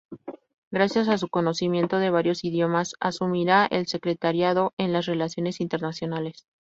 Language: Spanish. Gracias a su conocimiento de varios idiomas, asumirá el Secretariado en las Relaciones Internacionales.